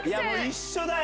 一緒だよ！